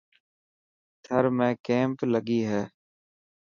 ٿر ۾ ڪيمپ لگي هي.